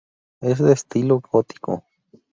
Es de estilo gótico.